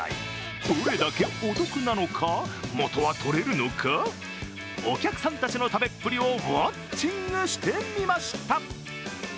どれだけお得なのか、元は取れるのか、お客さんたちの食べっぷりをウォッチングしてみました。